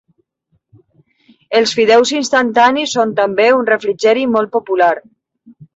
Els fideus instantanis són també un refrigeri molt popular.